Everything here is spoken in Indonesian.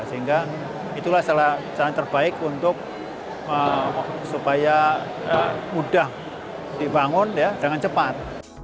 sehingga itulah cara terbaik untuk supaya mudah dibangun dengan cepat